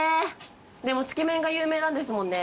でもつけ麺が有名なんですもんね？